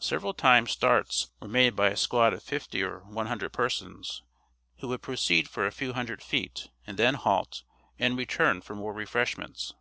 Several times starts were made by a squad of fifty or one hundred persons, who would proceed for a few hundred feet, and then halt and return for more refreshments.